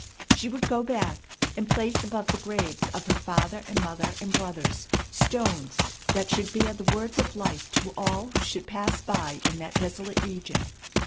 She would go back and place above the graves of her father and mother and brothers stones that should bear the words of life to all who should pass by in that desolate region.